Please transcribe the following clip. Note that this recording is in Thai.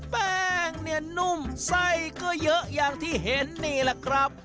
แป้งเนี่ยนุ่มไส้ก็เยอะอย่างที่เห็นนี่แหละครับ